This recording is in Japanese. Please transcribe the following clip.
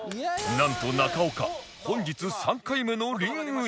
なんと中岡本日３回目のリングイン